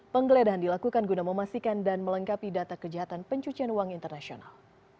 penggeledahan dilakukan guna memastikan dan melengkapi data kejahatan pencucian uang internasional